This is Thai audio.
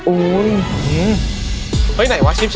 อื้อหือ